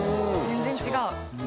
全然違う。